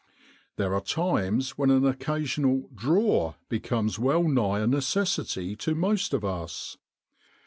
There are times when an occasional ' draw ' becomes well nigh a necessity to most of us.